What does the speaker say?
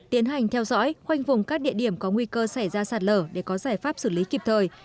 tiến hành theo dõi khoanh vùng các địa điểm có nguy cơ xảy ra sạt lở để có giải pháp xử lý kịp thời